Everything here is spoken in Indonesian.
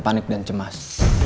panik dan cemas